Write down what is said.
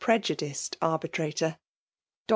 prejudiced arbitrator. Dr.